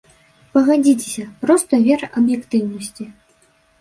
Пагадзіцеся, проста верх аб'ектыўнасці.